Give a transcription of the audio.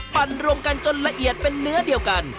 ปั่นรวมกันจนละเอียดเป็นเนื้อเดียวกัน